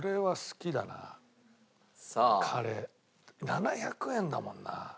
７００円だもんな。